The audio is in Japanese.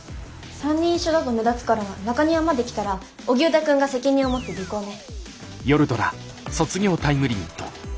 ３人一緒だと目立つから中庭まで来たら荻生田くんが責任を持って尾行ね。